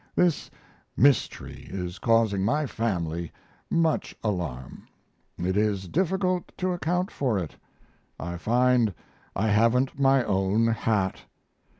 This mystery is causing my family much alarm. It is difficult to account for it. I find I haven't my own hat.